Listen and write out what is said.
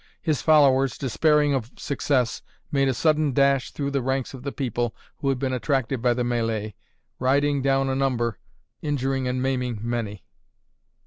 His followers, despairing of success, made a sudden dash through the ranks of the people who had been attracted by the melee, riding down a number, injuring and maiming many.